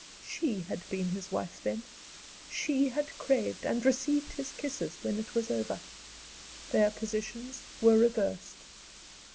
She had been his wife then; she had craved, and received his kisses when it was over. Their positions were reversed.